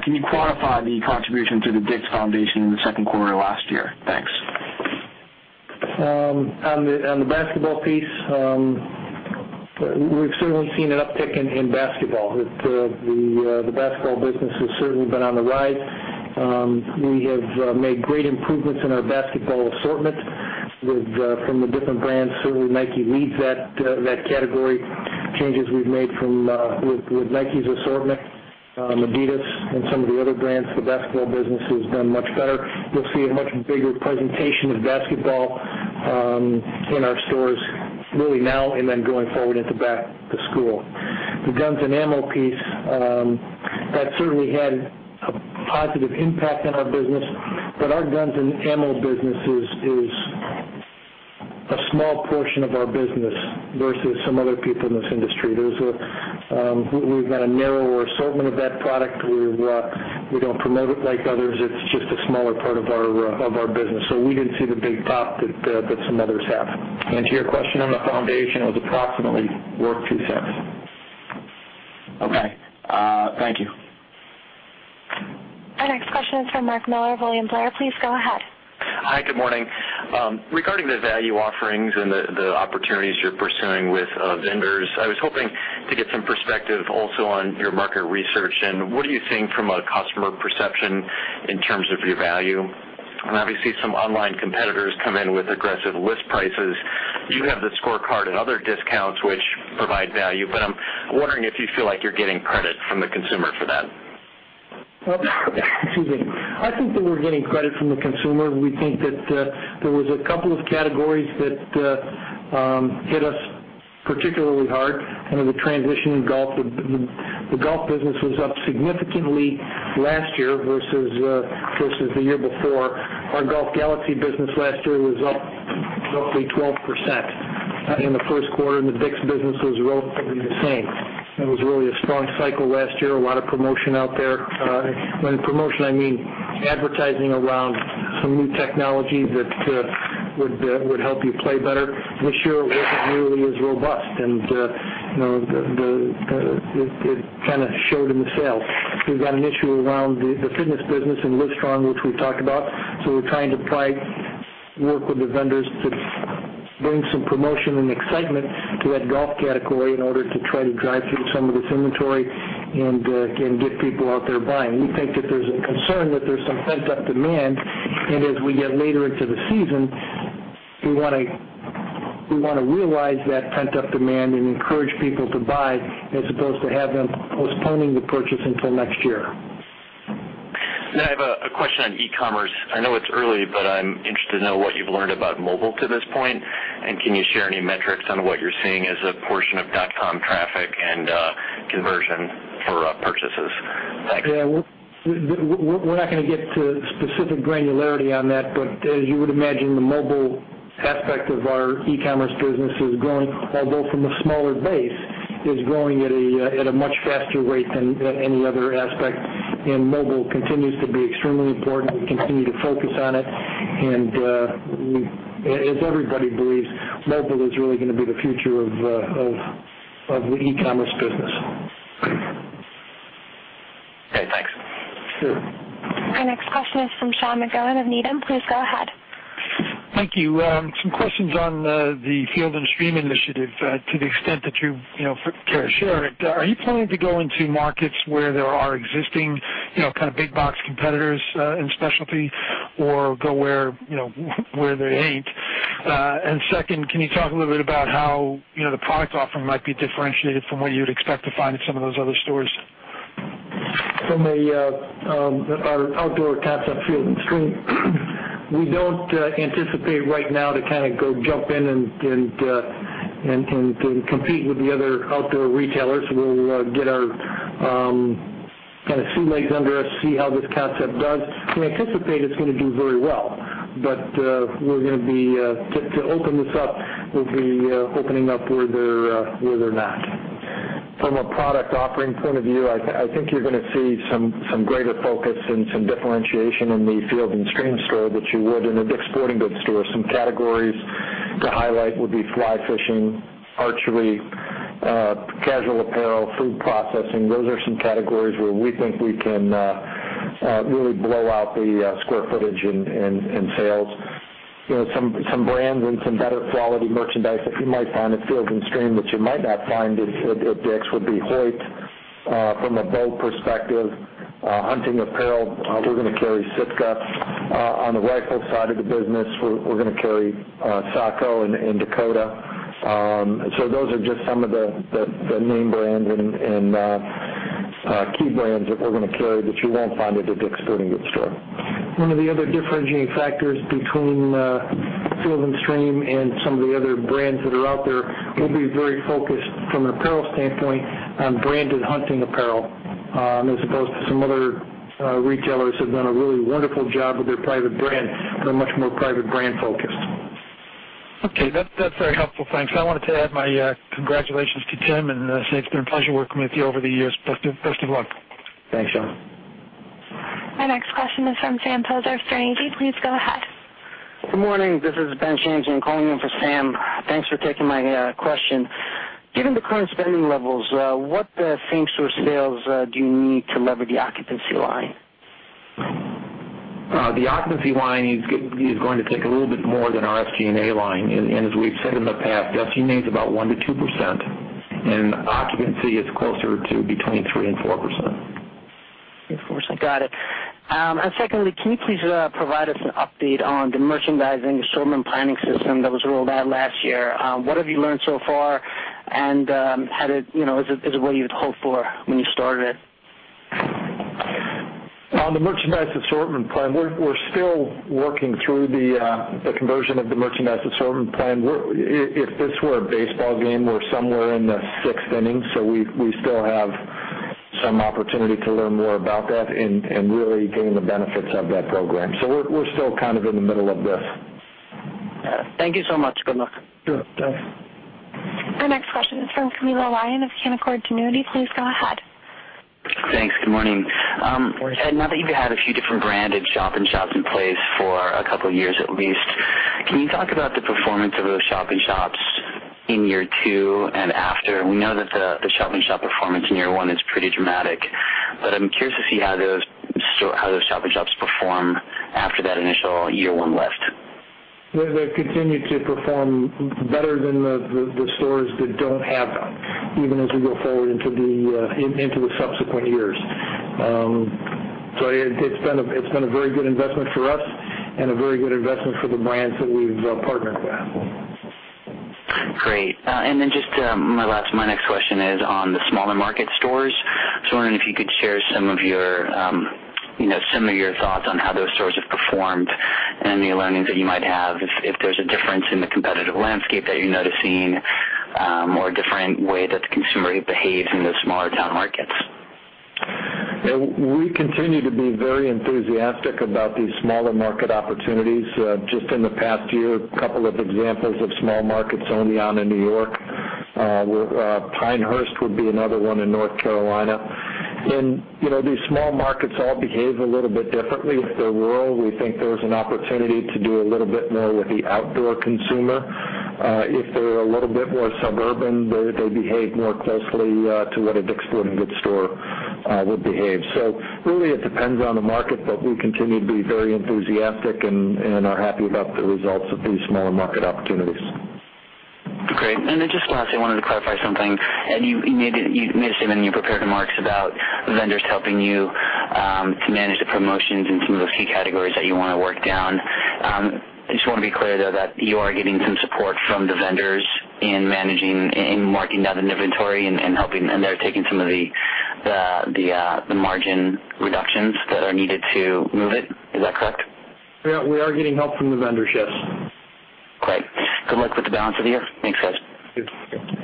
can you quantify the contribution to the DICK'S Foundation in the second quarter of last year? Thanks. On the basketball piece, we've certainly seen an uptick in basketball. The basketball business has certainly been on the rise. We have made great improvements in our basketball assortment from the different brands. Certainly, Nike leads that category. Changes we've made with Nike's assortment, adidas, and some of the other brands, the basketball business has done much better. You'll see a much bigger presentation of basketball in our stores really now then going forward into back to school. The guns and ammo piece, that certainly had a positive impact on our business, but our guns and ammo business is a small portion of our business versus some other people in this industry. We've got a narrower assortment of that product. We don't promote it like others. It's just a smaller part of our business. We didn't see the big pop that some others have. To your question on the foundation, it was approximately worth $0.02. Okay. Thank you. Our next question is from Mark Miller of William Blair. Please go ahead. Hi, good morning. Regarding the value offerings and the opportunities you're pursuing with vendors, I was hoping to get some perspective also on your market research and what are you seeing from a customer perception in terms of your value. Obviously, some online competitors come in with aggressive list prices. You have the scorecard and other discounts which provide value, but I'm wondering if you feel like you're getting credit from the consumer for that. Excuse me. I think that we're getting credit from the consumer. We think that there was a couple of categories that hit us particularly hard under the transition in golf. The golf business was up significantly last year versus the year before. Our Golf Galaxy business last year was up roughly 12% in the first quarter. The DICK'S business was relatively the same. It was really a strong cycle last year, a lot of promotion out there. By promotion, I mean advertising around some new technology that would help you play better. This year, it wasn't nearly as robust, and it showed in the sales. We've got an issue around the fitness business and Livestrong, which we talked about. We're trying to work with the vendors to bring some promotion and excitement to that golf category in order to try to drive through some of this inventory and get people out there buying. We think that there's a concern that there's some pent-up demand, and as we get later into the season, we want to realize that pent-up demand and encourage people to buy as opposed to have them postponing the purchase until next year. I have a question on e-commerce. I know it's early, but I'm interested to know what you've learned about mobile to this point, and can you share any metrics on what you're seeing as a portion of dotcom traffic and conversion for purchases? Thanks. Yeah. We're not going to get to specific granularity on that, but as you would imagine, the mobile aspect of our e-commerce business is growing, although from a smaller base, is growing at a much faster rate than any other aspect. Mobile continues to be extremely important. We continue to focus on it, and as everybody believes, mobile is really going to be the future of the e-commerce business. Okay, thanks. Sure. Our next question is from Sean McGowan of Needham. Please go ahead. Thank you. Some questions on the Field & Stream initiative. To the extent that you care to share it, are you planning to go into markets where there are existing big box competitors in specialty or go where there ain't? Second, can you talk a little bit about how the product offering might be differentiated from what you would expect to find at some of those other stores? From our outdoor concept, Field & Stream, we don't anticipate right now to go jump in and compete with the other outdoor retailers. We'll get our shoelace under us, see how this concept does. We anticipate it's going to do very well, to open this up, we'll be opening up where they're not. From a product offering point of view, I think you're going to see some greater focus and some differentiation in the Field & Stream store that you would in a DICK'S Sporting Goods store. Some categories to highlight would be fly fishing, archery, casual apparel, food processing. Those are some categories where we think we can really blow out the square footage and sales. Some brands and some better quality merchandise that you might find at Field & Stream that you might not find at DICK'S would be Hoyt, from a bow perspective. Hunting apparel, we're going to carry Sitka. On the rifle side of the business, we're going to carry Sako and Dakota. Those are just some of the name brands and key brands that we're going to carry that you won't find at a DICK'S Sporting Goods store. One of the other differentiating factors between Field & Stream and some of the other brands that are out there, we'll be very focused from an apparel standpoint on branded hunting apparel, as opposed to some other retailers have done a really wonderful job with their private brand. We're much more private brand focused. Okay. That's very helpful. Thanks. I wanted to add my congratulations to Tim and say it's been a pleasure working with you over the years. Best of luck. Thanks, Sean. Our next question is from Sam Poser of Sterne Agee. Please go ahead. Good morning. This is Ben Shamsian calling in for Sam. Thanks for taking my question. Given the current spending levels, what same store sales do you need to lever the occupancy line? The occupancy line is going to take a little bit more than our SG&A line. As we've said in the past, SG&A is about 1% to 2%, and occupancy is closer to between 3% and 4%. 3% and 4%. Got it. Secondly, can you please provide us an update on the merchandising assortment planning system that was rolled out last year? What have you learned so far, and is it what you had hoped for when you started it? On the merchandise assortment plan, we're still working through the conversion of the merchandise assortment plan. If this were a baseball game, we're somewhere in the sixth inning. We still have some opportunity to learn more about that and really gain the benefits of that program. We're still in the middle of this. Got it. Thank you so much. Good luck. Sure. Thanks. Our next question is from Camilo Lyon of Canaccord Genuity. Please go ahead. Thanks. Good morning. Morning. Ed, now that you've had a few different branded shop-in-shops in place for a couple of years at least, can you talk about the performance of those shop-in-shops in year two and after? We know that the shop-in-shop performance in year one is pretty dramatic, but I'm curious to see how those shop-in-shops perform after that initial year one lift. They continue to perform better than the stores that don't have them, even as we go forward into the subsequent years. It's been a very good investment for us and a very good investment for the brands that we've partnered with. Great. Just my next question is on the smaller market stores. Just wondering if you could share some of your thoughts on how those stores have performed and the learnings that you might have, if there's a difference in the competitive landscape that you're noticing, more different way that the consumer behaves in the smaller town markets. We continue to be very enthusiastic about these smaller market opportunities. Just in the past year, a couple of examples of small markets, Oneonta, New York. Pinehurst would be another one in North Carolina. These small markets all behave a little bit differently. If they're rural, we think there's an opportunity to do a little bit more with the outdoor consumer. If they're a little bit more suburban, they behave more closely to what a DICK'S Sporting Goods store would behave. Really, it depends on the market, but we continue to be very enthusiastic and are happy about the results of these smaller market opportunities. Great. Just lastly, I wanted to clarify something. Ed, you mentioned when you prepared remarks about vendors helping you to manage the promotions in some of those key categories that you want to work down. I just want to be clear, though, that you are getting some support from the vendors in managing and marking down the inventory, and they're taking some of the margin reductions that are needed to move it. Is that correct? Yeah, we are getting help from the vendors, yes. Great. Good luck with the balance of the year. Thanks, guys. Good. Thank you.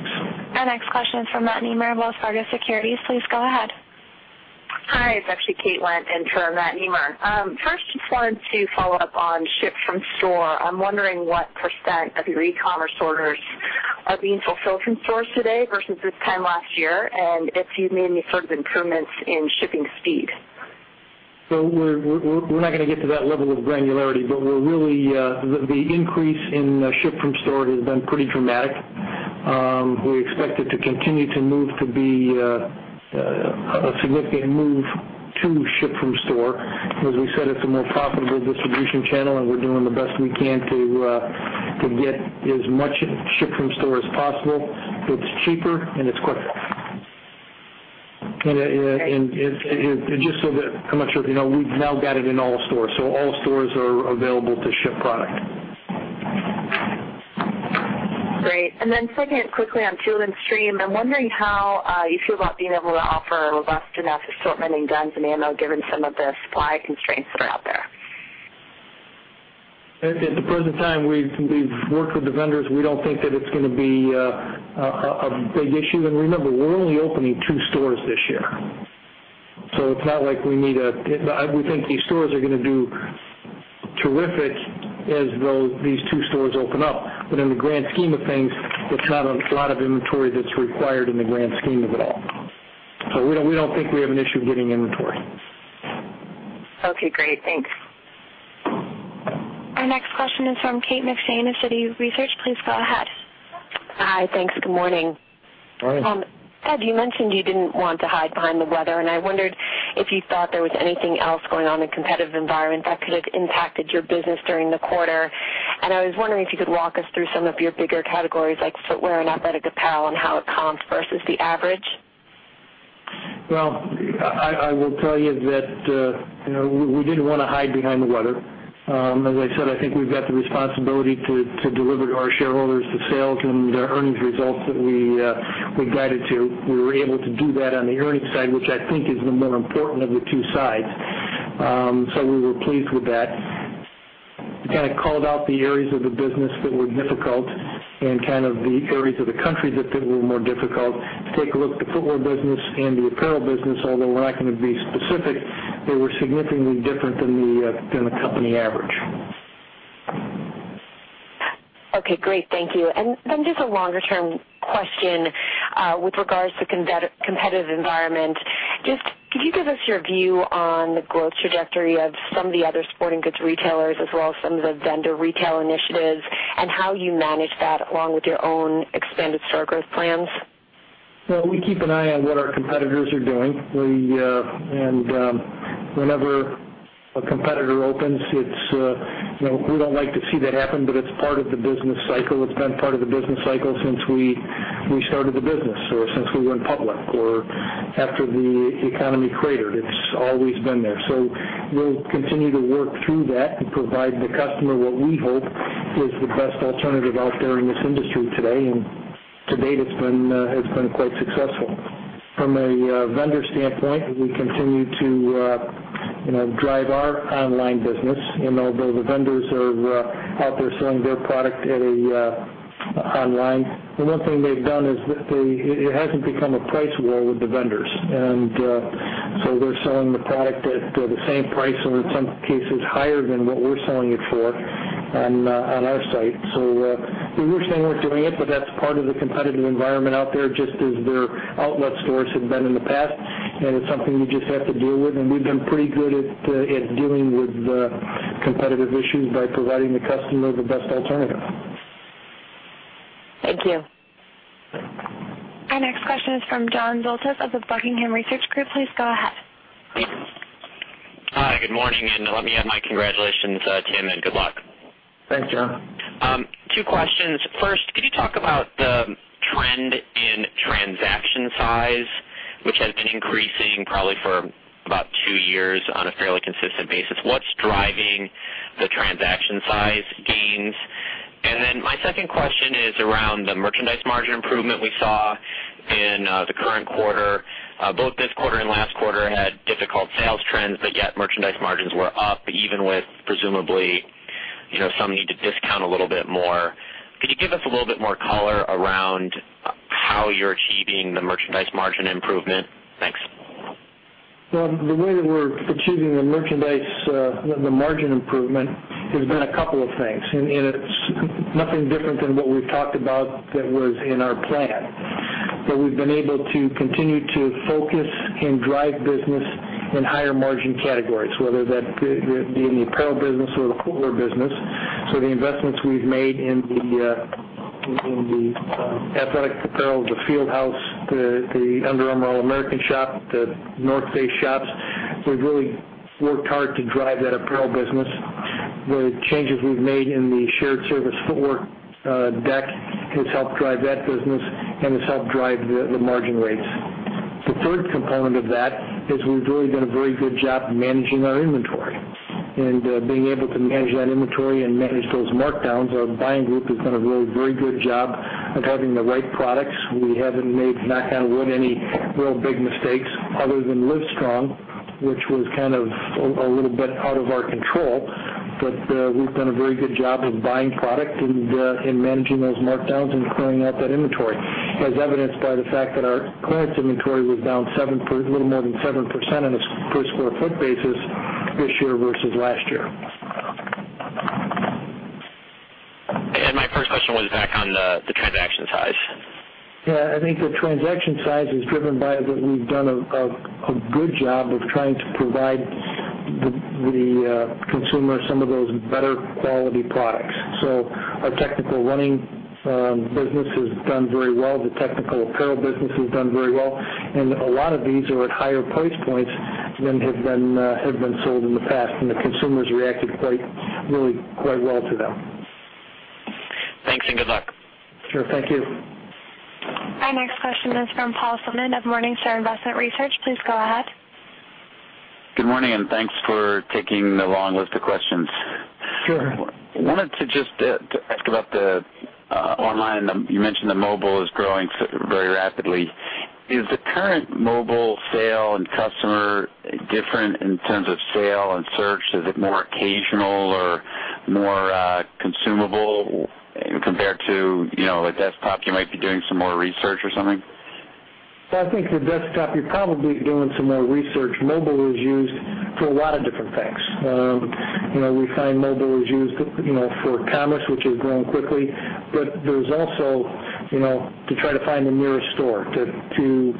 Our next question is from Matt Nemer of Wells Fargo Securities. Please go ahead. Hi, it's actually Caitlyn, interim at Nuveen. First, just wanted to follow up on ship from store. I'm wondering what % of your e-commerce orders are being fulfilled from stores today versus this time last year, and if you've made any sort of improvements in shipping speed. We're not going to get to that level of granularity, but the increase in ship from store has been pretty dramatic. We expect it to continue to move to be a significant move to ship from store. As we said, it's a more profitable distribution channel, and we're doing the best we can to get as much ship from store as possible. It's cheaper and it's quicker. Great. I'm not sure if you know, we've now got it in all stores. All stores are available to ship product. Great. Then second, quickly on Field & Stream, I'm wondering how you feel about being able to offer a robust enough assortment in guns and ammo, given some of the supply constraints that are out there. At the present time, we've worked with the vendors. We don't think that it's going to be a big issue. Remember, we're only opening two stores this year. It's not like we need. We think these stores are going to do terrific as these two stores open up. In the grand scheme of things, it's not a lot of inventory that's required in the grand scheme of it all. We don't think we have an issue getting inventory. Okay, great. Thanks. Our next question is from Kate McShane of Citi Research. Please go ahead. Hi. Thanks. Good morning. Morning. Ed, you mentioned you didn't want to hide behind the weather. I wondered if you thought there was anything else going on in competitive environment that could have impacted your business during the quarter. I was wondering if you could walk us through some of your bigger categories, like footwear and athletic apparel, and how it comps versus the average. I will tell you that we didn't want to hide behind the weather. As I said, I think we've got the responsibility to deliver to our shareholders the sales and the earnings results that we guided to. We were able to do that on the earnings side, which I think is the more important of the two sides. We were pleased with that. Kind of called out the areas of the business that were difficult and kind of the areas of the country that were more difficult. Take a look, the footwear business and the apparel business, although we're not going to be specific, they were significantly different than the company average. Okay, great. Thank you. Then just a longer-term question with regards to competitive environment. Could you give us your view on the growth trajectory of some of the other sporting goods retailers as well as some of the vendor retail initiatives and how you manage that along with your own expanded store growth plans? We keep an eye on what our competitors are doing. Whenever a competitor opens, we don't like to see that happen, it's part of the business cycle. It's been part of the business cycle since we started the business, or since we went public, or after the economy cratered. It's always been there. We'll continue to work through that and provide the customer what we hope is the best alternative out there in this industry today. To date, it's been quite successful. From a vendor standpoint, we continue to drive our online business, although the vendors are out there selling their product online. One thing they've done is it hasn't become a price war with the vendors. They're selling the product at the same price or in some cases higher than what we're selling it for on our site. We wish they weren't doing it, but that's part of the competitive environment out there, just as their outlet stores have been in the past, and it's something we just have to deal with. We've been pretty good at dealing with competitive issues by providing the customer the best alternative. Thank you. Our next question is from John Zolidis of The Buckingham Research Group. Please go ahead. Hi. Good morning, and let me add my congratulations, Tim, and good luck. Thanks, John. Two questions. First, could you talk about the trend in transaction size, which has been increasing probably for about two years on a fairly consistent basis. What's driving the transaction size gains? My second question is around the merchandise margin improvement we saw in the current quarter. Both this quarter and last quarter had difficult sales trends, but yet merchandise margins were up even with presumably some need to discount a little bit more. Could you give us a little bit more color around how you're achieving the merchandise margin improvement? Thanks. Well, the way that we're achieving the margin improvement has been a couple of things, it's nothing different than what we've talked about that was in our plan. We've been able to continue to focus and drive business in higher margin categories, whether that be in the apparel business or the footwear business. The investments we've made in the athletic apparel, the Field House, the Under Armour All-American shop, The North Face shops, we've really worked hard to drive that apparel business. The changes we've made in the shared service footwear deck has helped drive that business and has helped drive the margin rates. The third component of that is we've really done a very good job managing our inventory and being able to manage that inventory and manage those markdowns. Our buying group has done a really very good job of having the right products. We haven't made, knock on wood, any real big mistakes other than Livestrong, which was kind of a little bit out of our control. We've done a very good job of buying product and managing those markdowns and clearing out that inventory, as evidenced by the fact that our clearance inventory was down a little more than 7% on a per square foot basis this year versus last year. My first question was back on the transaction size. I think the transaction size is driven by that we've done a good job of trying to provide the consumer some of those better quality products. Our technical running business has done very well. The technical apparel business has done very well, a lot of these are at higher price points than have been sold in the past, the consumer's reacted really quite well to them. Thanks, and good luck. Sure. Thank you. Our next question is from Paul Swinand of Morningstar Investment Research. Please go ahead. Good morning, thanks for taking the long list of questions. Sure. Wanted to just ask about the online, you mentioned the mobile is growing very rapidly. Is the current mobile sale and customer different in terms of sale and search? Is it more occasional or more consumable compared to a desktop, you might be doing some more research or something? I think the desktop, you're probably doing some more research. Mobile is used for a lot of different things. We find mobile is used for commerce, which is growing quickly. There's also to try to find the nearest store, to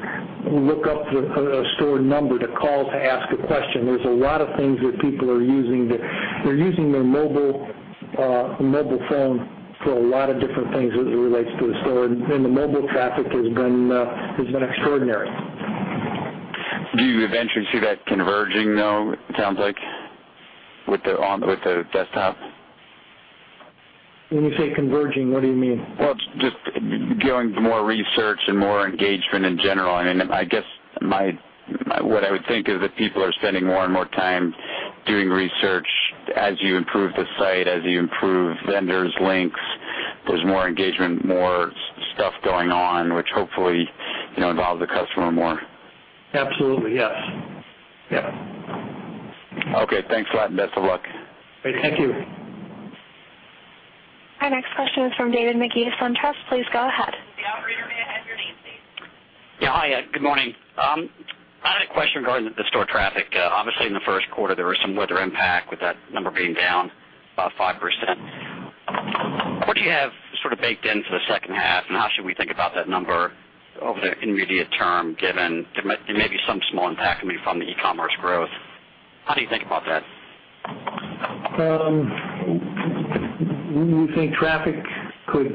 look up a store number to call to ask a question. There's a lot of things that people are using. They're using their mobile phone for a lot of different things as it relates to the store, the mobile traffic has been extraordinary. Do you eventually see that converging, though, it sounds like, with the desktop? When you say converging, what do you mean? Well, it's just going more research and more engagement in general. I guess what I would think is that people are spending more and more time doing research. As you improve the site, as you improve vendors' links, there's more engagement, more stuff going on, which hopefully involves the customer more. Absolutely, yes. Okay. Thanks for that, and best of luck. Thank you. Our next question is from David Magee of SunTrust. Please go ahead. The operator may have your name, please. Yeah. Hi, good morning. I had a question regarding the store traffic. Obviously, in the first quarter, there was some weather impact with that number being down about 5%. What do you have sort of baked in for the second half, and how should we think about that number over the intermediate term, given there may be some small impact coming from the e-commerce growth. How do you think about that? We think traffic could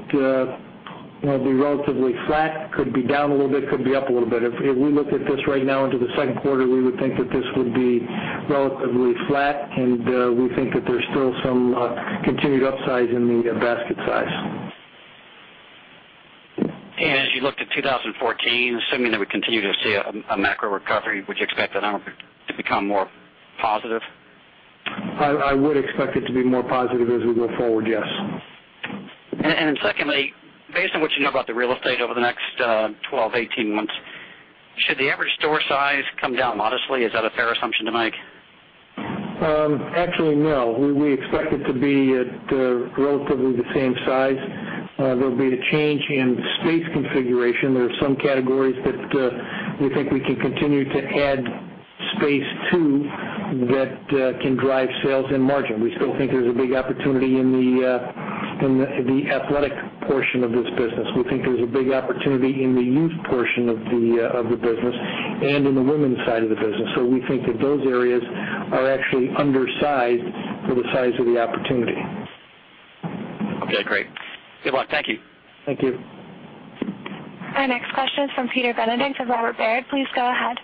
be relatively flat, could be down a little bit, could be up a little bit. If we look at this right now into the second quarter, we would think that this would be relatively flat, and we think that there's still some continued upside in the basket size. As you look to 2014, assuming that we continue to see a macro recovery, would you expect that number to become more positive? I would expect it to be more positive as we go forward, yes. Secondly, based on what you know about the real estate over the next 12, 18 months, should the average store size come down modestly? Is that a fair assumption to make? Actually, no. We expect it to be at relatively the same size. There'll be a change in space configuration. There are some categories that we think we can continue to add space to that can drive sales and margin. We still think there's a big opportunity in the athletic portion of this business. We think there's a big opportunity in the youth portion of the business and in the women's side of the business. We think that those areas are actually undersized for the size of the opportunity. Okay, great. Good luck. Thank you. Thank you. Our next question is from Peter Benedict of Robert W. Baird. Please go ahead.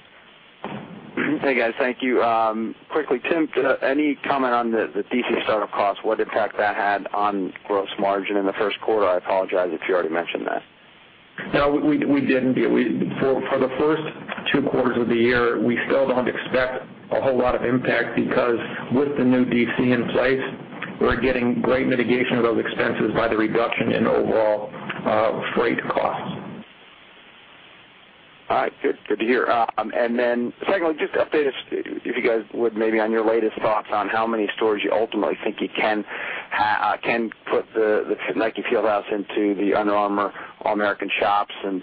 Hey, guys. Thank you. Quickly, Tim, any comment on the D.C. startup cost, what impact that had on gross margin in the first quarter? I apologize if you already mentioned that. No, we didn't. For the first two quarters of the year, we still don't expect a whole lot of impact because with the new D.C. in place, we're getting great mitigation of those expenses by the reduction in overall freight costs. All right, good to hear. Then secondly, just update us, if you guys would, maybe on your latest thoughts on how many stores you ultimately think you can put the Nike Fieldhouse into the Under Armour All-American shops, and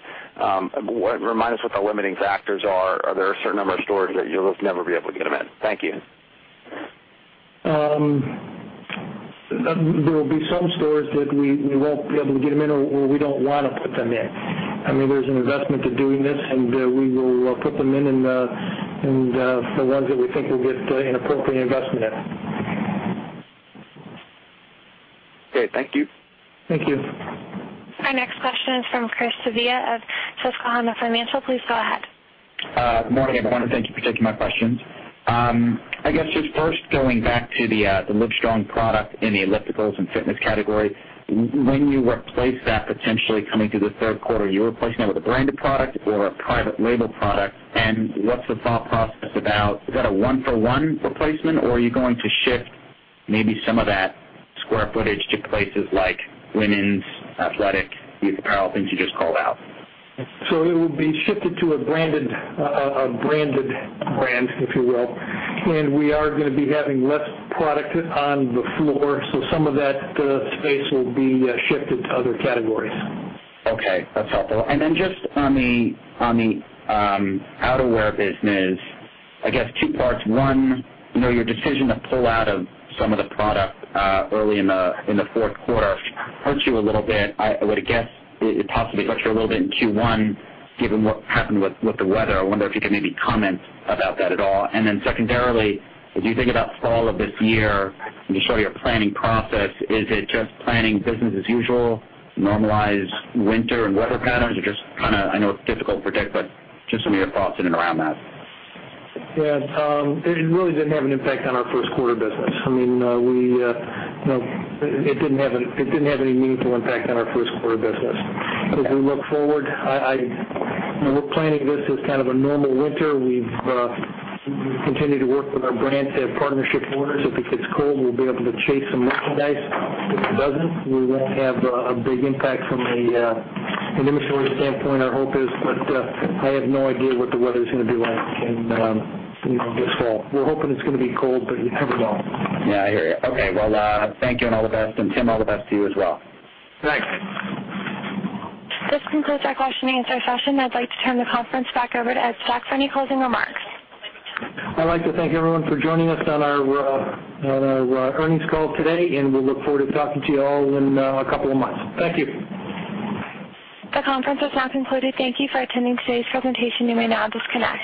remind us what the limiting factors are. Are there a certain number of stores that you'll just never be able to get them in? Thank you. There will be some stores that we won't be able to get them in or we don't want to put them in. I mean, there's an investment to doing this. We will put them in the ones that we think will get an appropriate investment in. Okay. Thank you. Thank you. Our next question is from Chris Svezia of Susquehanna Financial. Please go ahead. Good morning, everyone. Thank you for taking my questions. I guess just first going back to the Livestrong product in the ellipticals and fitness category. When you replace that potentially coming to the third quarter, you're replacing it with a branded product or a private label product. What's the thought process about? Is that a one-for-one replacement, or are you going to shift maybe some of that square footage to places like women's athletic apparel, things you just called out? It will be shifted to a branded brand, if you will. We are going to be having less product on the floor. Some of that space will be shifted to other categories. Okay, that's helpful. Just on the outerwear business, I guess two parts. One, your decision to pull out of some of the product early in the fourth quarter hurts you a little bit. I would guess it possibly hurts you a little bit in Q1, given what happened with the weather. I wonder if you could maybe comment about that at all. Secondarily, as you think about fall of this year and you show your planning process, is it just planning business as usual, normalize winter and weather patterns or just kind of, I know it's difficult to predict, but just some of your thoughts in and around that. Yeah. It really didn't have an impact on our first quarter business. I mean, it didn't have any meaningful impact on our first quarter business. We look forward, we're planning this as kind of a normal winter. We've continued to work with our brands to have partnership orders. If it gets cold, we'll be able to chase some merchandise. If it doesn't, we won't have a big impact from an inventory standpoint, our hope is. I have no idea what the weather's going to be like in this fall. We're hoping it's going to be cold, you never know. Yeah, I hear you. Okay. Well, thank you and all the best. Tim, all the best to you as well. Thanks. This concludes our question and answer session. I'd like to turn the conference back over to Ed Stack for any closing remarks. I'd like to thank everyone for joining us on our earnings call today. We look forward to talking to you all in a couple of months. Thank you. The conference is now concluded. Thank you for attending today's presentation. You may now disconnect.